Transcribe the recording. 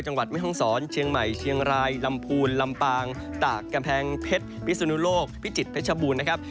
จังหวัดมิฮ่องศรเชียงใหม่เชียงรายลำพูนลำปางตากกำแพงเผ็ดพริสุนโลกพิจิตรเผ็ดชบูลนะครับ